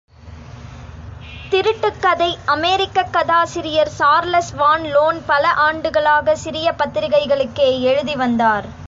திருட்டுக் கதை அமெரிக்கக் கதாசிரியர் சார்லஸ் வான் லோன் பல ஆண்டுகளாக சிறிய பத்திரிகைகளுக்கே எழுதி வந்தார்.